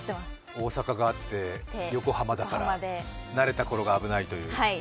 大阪があって横浜だから慣れたころが危ないという。